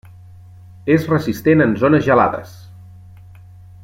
És resistent en zones gelades.